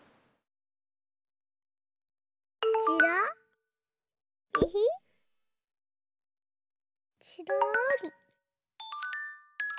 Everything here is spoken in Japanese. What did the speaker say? ちらり。